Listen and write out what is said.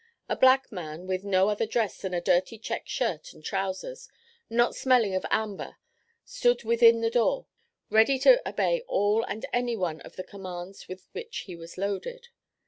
A black man, with no other dress than a dirty check shirt and trousers, not smelling of amber, stood within the door, ready to obey all and any one of the commands with which he was loaded.